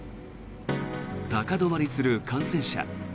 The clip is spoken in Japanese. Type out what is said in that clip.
高止まりする感染者。